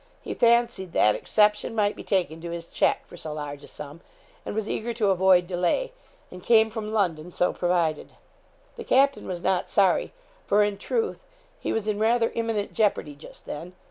He fancied that exception might be taken to his cheque for so large a sum, and was eager to avoid delay, and came from London so provided. The captain was not sorry, for in truth he was in rather imminent jeopardy just then.